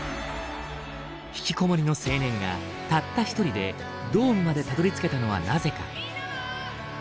ひきこもりの青年がたった一人でドームまでたどりつけたのはなぜか？